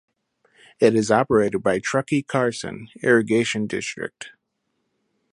It is operated by the Truckee-Carson Irrigation District.